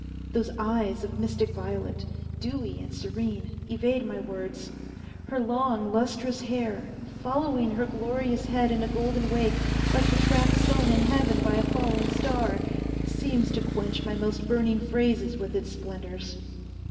Those eyes of mystic violet, dewy and serene, evade my words. Her long, lustrous hair following her glorious head in a golden wake, like the track sown in heaven by a falling star, seems to quench my most burning phrases with its splendors.